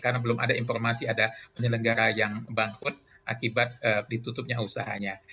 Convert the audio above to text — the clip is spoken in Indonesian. karena belum ada informasi ada penyelenggara yang bangkrut akibat ditutupnya usahanya